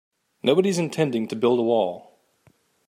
Nobody's intending to build a wall.